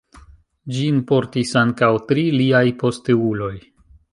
Ĝin portis ankaŭ tri liaj posteuloj.